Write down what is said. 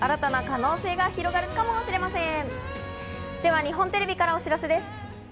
日本テレビからお知らせです。